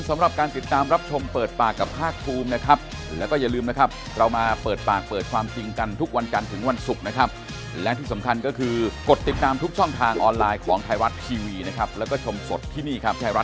มาก็รู้สึกไม่น่าจะใช่แล้วแหละ